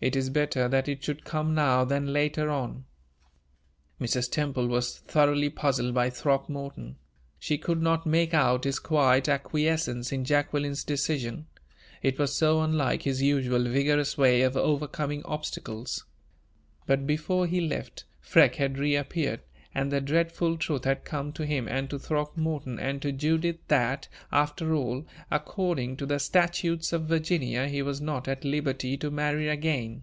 It is better that it should come now than later on." Mrs. Temple was thoroughly puzzled by Throckmorton. She could not make out his quiet acquiescence in Jacqueline's decision it was so unlike his usual vigorous way of overcoming obstacles. But, before he left, Freke had reappeared, and the dreadful truth had come to him and to Throckmorton and to Judith that, after all, according to the statutes of Virginia, he was not at liberty to marry again.